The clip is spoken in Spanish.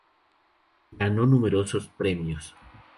Ganó numerosos premios.